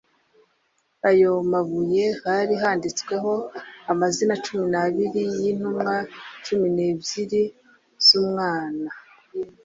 ayo mabuye hari handitsweho amazina cumi n abiri y intumwa cumi n ebyiri l z Umwana